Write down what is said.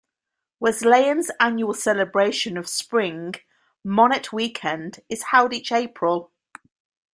Wesleyan's annual celebration of spring, Monnett Weekend, is held each April.